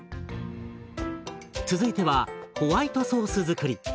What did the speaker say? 続いてはホワイトソース作り。